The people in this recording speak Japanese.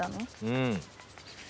うん。